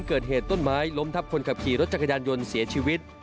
เกิดเหตุต้นไม้ล้มทับคนขับขี่รถจักรยานยนต์เสียชีวิต